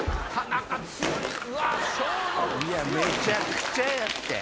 めちゃくちゃやって。